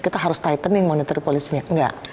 kita harus tightening monetary policy nya nggak